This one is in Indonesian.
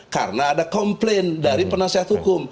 karena ada komplain dari penasihat hukum